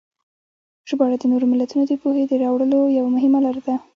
ژباړه د نورو ملتونو د پوهې د راوړلو یوه مهمه لاره ده.